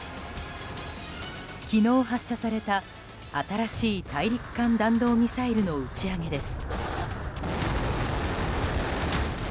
昨日発射された新しい大陸間弾道ミサイルの打ち上げです。